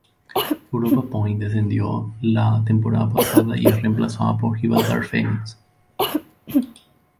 Europa Point descendió la temporada pasada y es reemplazado por Gibraltar Phoenix.